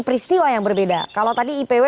peristiwa yang berbeda kalau tadi ipw